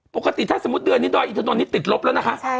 ปกติถ้าสมมุติเดือนนี้ดอยอินทนนท์นี้ติดลบแล้วนะคะ